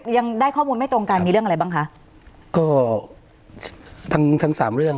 ยังได้ข้อมูลไม่ตรงกันมีเรื่องอะไรบ้างคะก็ทั้งทั้งสามเรื่อง